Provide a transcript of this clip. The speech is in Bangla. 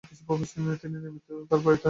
তিনি নিয়মিতভাবেই তার বাড়িতে আসতেন।